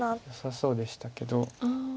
よさそうでしたけど。